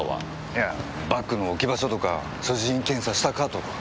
いやバッグの置き場所とか所持品検査したかとか。